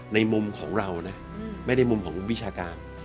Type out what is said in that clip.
มุมของเรานะไม่ได้มุมของวิชาการ